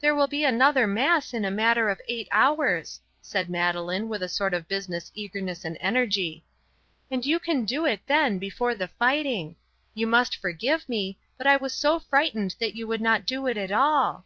"There will be another mass in a matter of eight hours," said Madeleine, with a sort of business eagerness and energy, "and you can do it then before the fighting. You must forgive me, but I was so frightened that you would not do it at all."